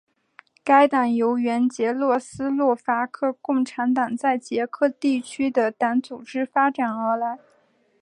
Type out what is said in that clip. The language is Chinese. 该党由原捷克斯洛伐克共产党在捷克地区的党组织发展而来。